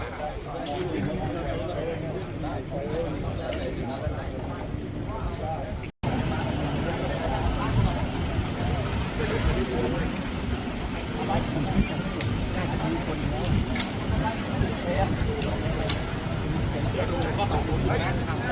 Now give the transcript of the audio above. กลับมาติดต่ออีกกว่านาทีอ่ะ